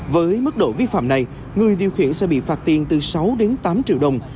với mức độ vi phạm này người điều khiển sẽ bị phạt tiền từ sáu đến tám triệu đồng